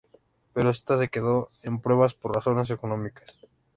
Pero esta se quedó en pruebas por razones económicas.